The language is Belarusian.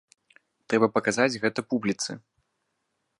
Трэба паказаць гэта публіцы!